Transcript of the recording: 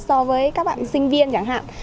so với các bạn sinh viên chẳng hạn